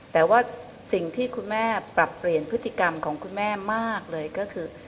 แต่ว่าสิ่งที่คุณแม่ปรับเปลี่ยนพฤติกรรมของคุณแม่มากเลยก็คือ